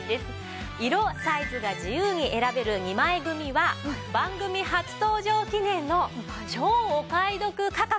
色サイズが自由に選べる２枚組は番組初登場記念の超お買い得価格。